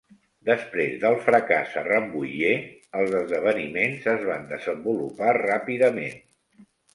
Després del fracàs a Rambouillet, els esdeveniments es van desenvolupar ràpidament.